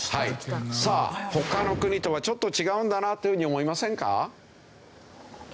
さあ他の国とはちょっと違うんだなというふうに思いませんか？